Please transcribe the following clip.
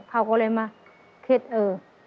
เขาก็เลยมาคิดเออ